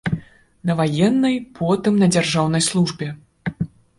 На ваеннай, потым на дзяржаўнай службе.